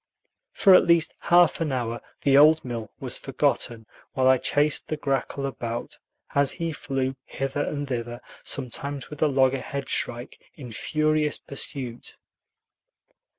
For at least half an hour the old mill was forgotten, while I chased the grackle about, as he flew hither and thither, sometimes with a loggerhead shrike in furious pursuit.